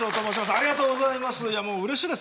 ありがとうございます。